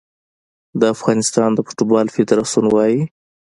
د افغانستان د فوټبال فدراسیون وايي